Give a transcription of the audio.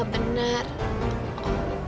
apa benar wakil itu